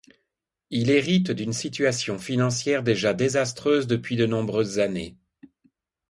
Il hérite d'une situation financière déjà désastreuse depuis de nombreuses années.